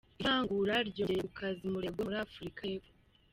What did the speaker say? Ivangura ryongeye gukaza umurego muri Afurika y’Epfo.